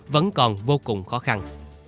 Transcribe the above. vẫn còn vô cùng khó khăn